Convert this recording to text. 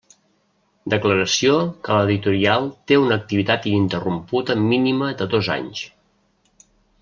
Declaració que l'editorial té una activitat ininterrompuda mínima de dos anys.